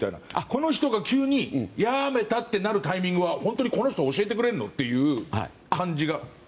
この人が急に辞めたってなるタイミングは本当にこの人は教えてくれるの？っていう感じが。